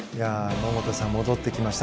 桃田さんも戻ってきました。